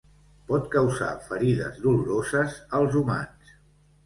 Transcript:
Pot causar ferides doloroses als humans.